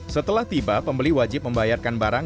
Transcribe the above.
setelah tiba pembeli wajib membayarkan barang